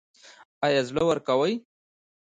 ایا زړه ورکوئ؟